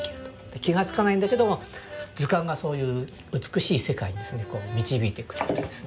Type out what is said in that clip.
気が付かないんだけども図鑑がそういう美しい世界に導いてくれるというですね